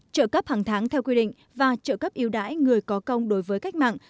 trợ cấp hàng tháng theo quy định và trợ cấp yêu đãi người có công đối với cách mạng